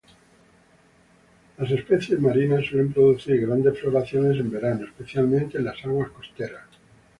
Las especies marinas suelen producir grandes floraciones en verano, especialmente en las aguas costeras.